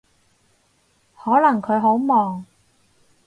可能佢好忙